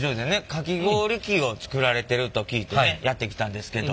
かき氷機を作られてると聞いてねやって来たんですけど。